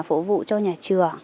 phục vụ cho nhà trường